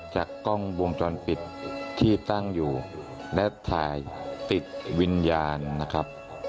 จากกล้องวงจรปิดที่ตั้งอยู่และถ่ายติดวิญญาณนะครับ